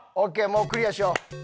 もうクリアしよう！